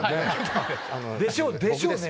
「でしょうね